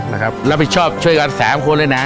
รับผิดชอบช่วยกันสามคนเลยนะ